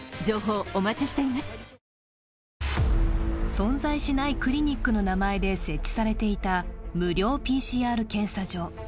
存在しないクリニックの名前で設置されていた無料ＰＣＲ検査所。